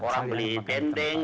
orang beli tendeng